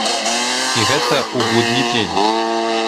І гэта ў будні дзень.